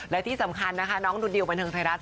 และที่สำคัญนะคะน้องดูดิวบันเทิงไทยรัฐ